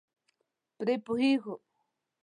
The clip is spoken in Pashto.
پرې پوهېږو.